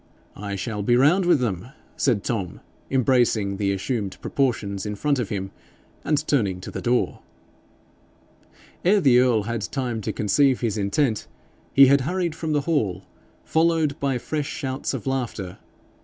'I shall be round with them,' said Tom, embracing the assumed proportions in front of him, and turning to the door. Ere the earl had time to conceive his intent, he had hurried from the hall, followed by fresh shouts of laughter.